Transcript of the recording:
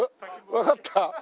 わかった？